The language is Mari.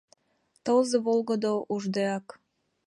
Тылзе волгыдо уждеак.